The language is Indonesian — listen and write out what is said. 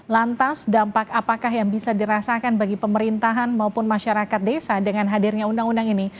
lantas dampak apakah yang bisa dirasakan bagi pemerintahan maupun masyarakat desa dengan hadirnya undang undang ini